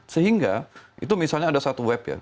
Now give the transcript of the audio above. sehingga itu misalnya ada satu web ya